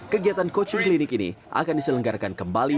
kegiatan coaching klinik ini akan diselenggarakan kembali